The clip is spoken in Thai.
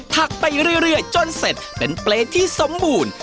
ถักไปเรื่อยจนเสร็จเป็นเปรย์ที่สมบูรณ์